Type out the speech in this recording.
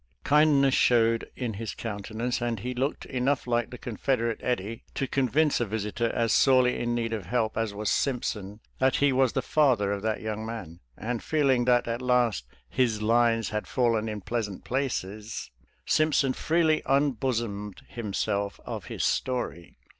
Kindness showed in his countenance, andhe looked enough like the Confederate Eddy to convince a visitor as sorely in need of help as was Simpson that he was the father of that young man, and feeling' that at last " his lines had fallen in pleasant places," Simpson freely unbosomed himself of his story.